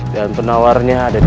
dan penawarnya ada disini